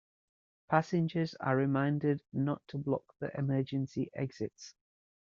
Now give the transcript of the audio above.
Passengers are reminded not to block the emergency exits.